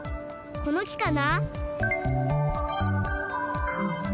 この木かな？